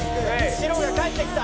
「白が帰ってきた」